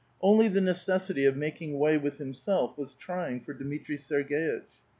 Only the necessity of making way with himself was trying for Dmitri Serg^itch.